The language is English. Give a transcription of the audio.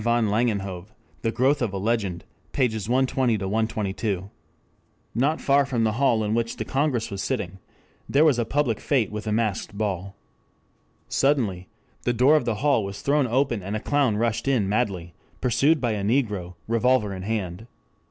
van Langenhove, The Growth of a Legend, pp. 120 122.] "Not far from the hall in which the Congress was sitting there was a public fete with a masked ball. Suddenly the door of the hall was thrown open and a clown rushed in madly pursued by a negro, revolver in hand.